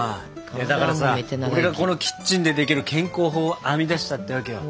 だからさ俺がこのキッチンでできる健康法を編み出したってわけよ。